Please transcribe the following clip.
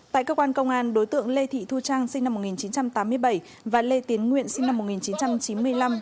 tại cơ quan công an đối tượng lê thị thu trang sinh năm một nghìn chín trăm tám mươi bảy và lê tiến nguyện sinh năm một nghìn chín trăm chín mươi năm